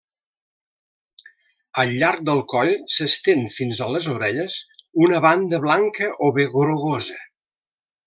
Al llarg del coll s'estén fins a les orelles, una banda blanca o bé grogosa.